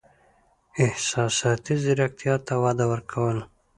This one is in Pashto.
احساساتي زیرکتیا ته وده ورکول: